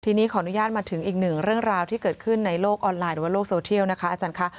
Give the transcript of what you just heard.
ทีนี้ขออนุญาตมาถึงอีกหนึ่งเรื่องราวที่เกิดขึ้นในโลกออนไลน์หรือว่าโลกโซเทียลนะคะอาจารย์ค่ะ